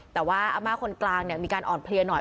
แต่ว่าอาม่าคนกลางมีการอ่อนเพลียหน่อย